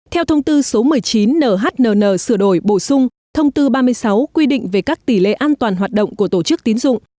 theo thông tư số một mươi chín nhnn sửa đổi bổ sung thông tư ba mươi sáu quy định về các tỷ lệ an toàn hoạt động của tổ chức tín dụng